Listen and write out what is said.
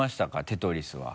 テトリスは。